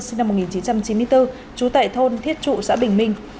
sinh năm một nghìn chín trăm chín mươi bốn trú tại thôn thiết trụ xã bình minh